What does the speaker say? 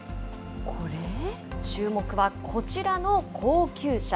注目はこちらの高級車。